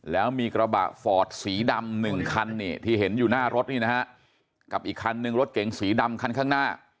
แล้วมีกระบะฟอร์ดสีดำหนึ่งคันเนี่ยที่เห็นอยู่หน้ารถนี่นะฮะกับอีกคันนึงรถเก๋งสีดำคันข้างหน้า